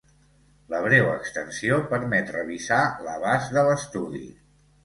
La breu extensió permet revisar l'abast de l'estudi.